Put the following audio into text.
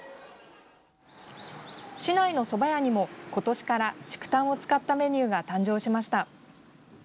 市内のそば屋にも今年から竹炭を使ったメニューが誕生しました。